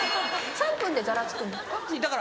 ・３分でざらつくんですか？